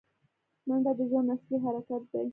منډه د ژوند اصلي حرکت دی